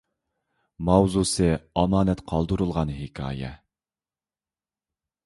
ماۋزۇسى ئامانەت قالدۇرۇلغان ھېكايە